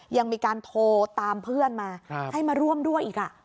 ยังมีการโทรตามเพื่อนมาให้มาร่วมด้วยอีก